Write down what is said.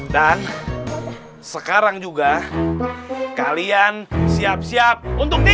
dan sekarang juga kalian siap siap untuk di